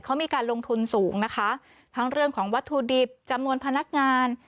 เขามีการลงทุนสูงนะคะทั้งเรื่องของวัตถุดิบจำนวนพนักงาน